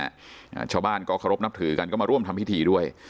อ่าชาวบ้านก็เคารพนับถือกันก็มาร่วมทำพิธีด้วย